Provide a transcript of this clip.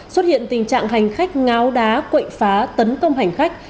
xuất hiện tình trạng hành khách ngáo đá quậy phá tấn công hành khách